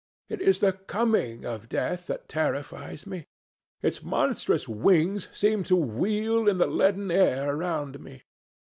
It is the coming of death that terrifies me. Its monstrous wings seem to wheel in the leaden air around me.